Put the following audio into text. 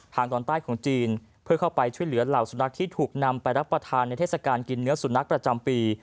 ตอนใต้ของจีนเพื่อเข้าไปช่วยเหลือเหล่าสุนัขที่ถูกนำไปรับประทานในเทศกาลกินเนื้อสุนัขประจำปี